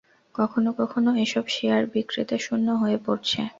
কখনো কখনো এসব শেয়ার বিক্রেতাশূন্য হয়ে পড়ছে।